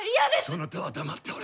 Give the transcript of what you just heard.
そなたは黙っておれ。